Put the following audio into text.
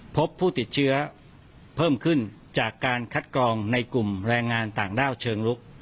พบผู้ติดเชื้อเพิ่มขึ้นจากการคัดกรองในกลุ่มแรงงานต่างด้าวเชิงลุก